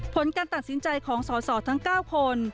ผลการตัดสินใจของสอสอทั้ง๙คน